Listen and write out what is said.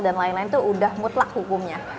dan lain lain itu sudah mutlak hukumnya